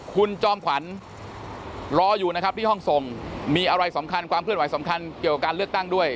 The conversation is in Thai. คุณจอมขวัญรออยู่นะครับที่ห้องส่งมีอะไรสำคัญความเคลื่อนไหวสำคัญเกี่ยวกับการเลือกตั้งด้วย